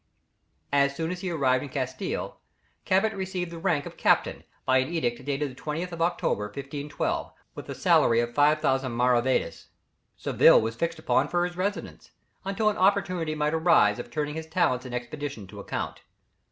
] As soon as he arrived in Castille, Cabot received the rank of captain, by an edict dated the 20th of October, 1512, with a salary of 5000 maravédis. Seville was fixed upon for his residence, until an opportunity might arise of turning his talents and experience to account.